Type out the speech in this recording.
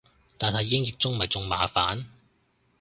但係英譯中咪仲麻煩